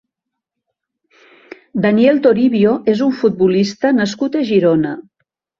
Daniel Toribio és un futbolista nascut a Girona.